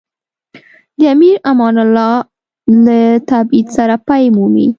د امیر امان الله له تبعید سره پای مومي.